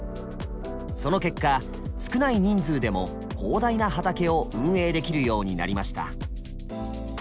その結果少ない人数でも広大な畑を運営できるようになりました。